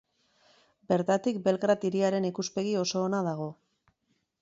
Bertatik Belgrad hiriaren ikuspegi oso ona dago.